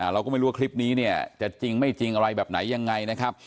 เราก็ไม่รู้ว่าคลิปนี้เนี่ยจะจริงไม่จริงอะไรแบบไหนยังไงนะครับ